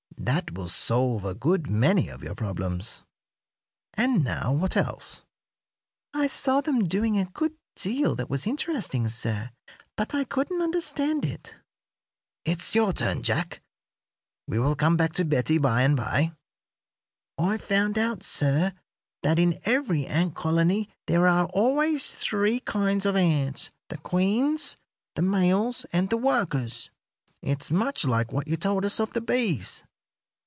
That will solve a good many of your problems. And now, what else?" "I saw them doing a good deal that was interesting, sir, but I couldn't understand it." "It's your turn, Jack. We will come back to Betty by and by." "I found out, sir, that in every ant colony there are always three kinds of ants the queens, the males, and the workers. It's much like what you told us of the bees.